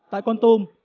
tại quang tôm